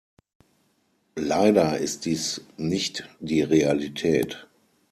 Leider ist dies nicht die Realität.